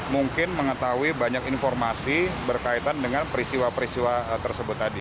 mungkin mengetahui banyak informasi berkaitan dengan peristiwa peristiwa tersebut tadi